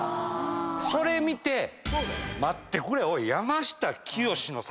それ見て待ってくれ！